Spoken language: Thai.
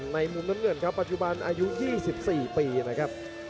มุมน้ำเงินครับปัจจุบันอายุ๒๔ปีนะครับ